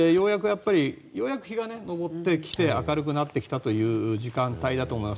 ようやく日が昇ってきて明るくなってきたという時間帯だと思います。